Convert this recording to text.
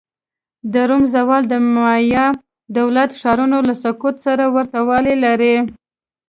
د روم زوال د مایا دولت ښارونو له سقوط سره ورته والی لري.